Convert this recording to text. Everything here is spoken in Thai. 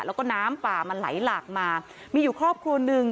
แล้วก็น้ำป่ามันไหลหลากมามีอยู่ครอบครัวหนึ่ง